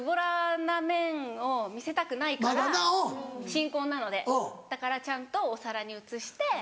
新婚なのでだからちゃんとお皿に移して。